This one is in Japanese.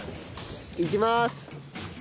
いきます！